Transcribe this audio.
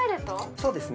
そうですね